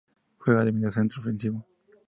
Juega de mediocentro ofensivo.